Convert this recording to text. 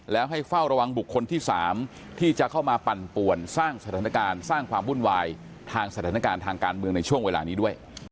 และให้เฝ้าระวังบุคคลที่๓ที่จะเข้ามาปั่นปวนสร้างสถานการณ์ทางการเมืองในช่วงเวลานี้ด้วย